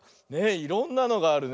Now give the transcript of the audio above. いろんなのがあるね。